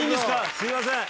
すいません